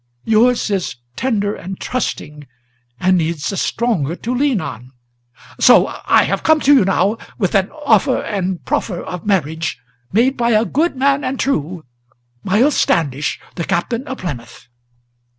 Yours is tender and trusting, and needs a stronger to lean on; So I have come to you now, with an offer and proffer of marriage Made by a good man and true, Miles Standish the Captain of Plymouth!"